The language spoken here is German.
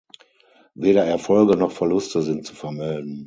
Weder Erfolge noch Verluste sind zu vermelden.